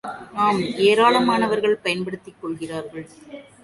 ஆம் ஏராளமானவர்கள் பயன்படுத்திக் கொள்கிறார்கள்.